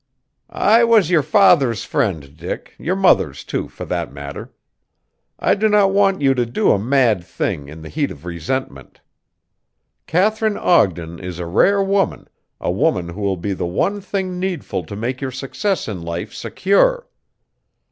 "I was your father's friend, Dick, your mother's too, for that matter. I do not want you to do a mad thing in the heat of resentment. Katharine Ogden is a rare woman, a woman who will be the one thing needful to make your success in life secure.